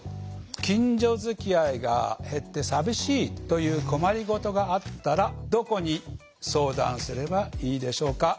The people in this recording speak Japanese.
「近所づきあいが減ってさびしい」という困りごとがあったらどこに相談すればいいでしょうか？